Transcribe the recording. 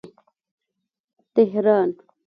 تهران